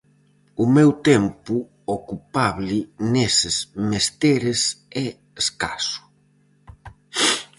O meu tempo ocupable neses mesteres é escaso.